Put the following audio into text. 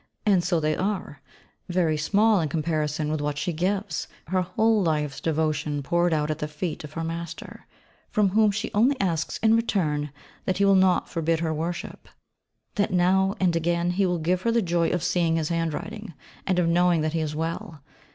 And so they are, very small in comparison with what she gives, her whole life's devotion poured out at the feet of her 'Master,' from whom she only asks in return that he will not forbid her worship; that, now and again, he will give her the joy of seeing his handwriting, and of knowing that he is well.